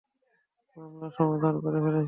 মামলার সমাধান করে ফেলছি।